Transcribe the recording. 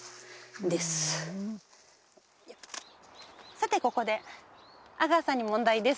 さてここで阿川さんに問題です。